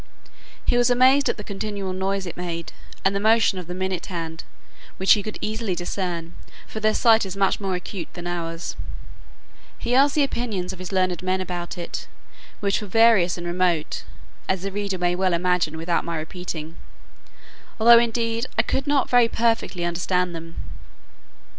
He was amazed at the continual noise it made, and the motion of the minute hand, which he could easily discern; for their sight is much more acute than ours: he asked the opinions of his learned men about it, which were various and remote, as the reader may well imagine without my repeating; although indeed I could not very perfectly understand them.